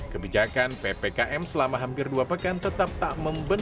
kebijakan ppkm selama hampir dua pekan tetap tak membela